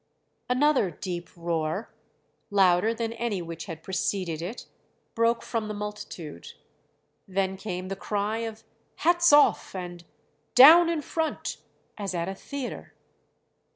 "Another deep roar, louder than any which had preceded it, broke from the multitude. Then came the cry of 'Hats off!' and 'Down in front!' as at a theatre.